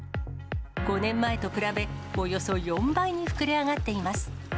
５年前と比べ、およそ４倍に膨れ上がっています。